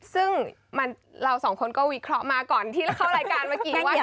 ซึ่งเราสองคนก็วิเคราะห์มาก่อนที่เข้ารายการเมื่อกี้ว่า